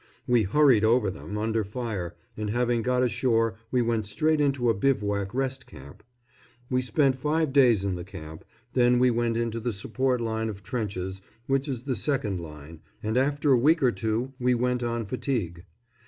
We hurried over them, under fire, and having got ashore we went straight into a bivouac rest camp. We spent five days in the camp, then we went into the support line of trenches, which is the second line, and after a week or two we went on fatigue.